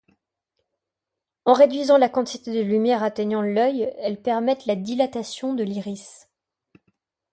En réduisant la quantité de lumière atteignant l’œil, elles permettent la dilatation de l'iris.